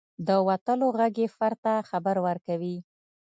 • د وتلو ږغ یو فرد ته خبر ورکوي.